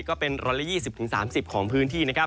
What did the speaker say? ก็เป็นร้อยละ๒๐๓๐ของพื้นที่